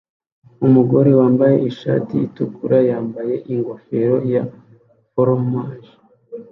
Umugore wambaye ishati itukura yambaye ingofero ya foromaje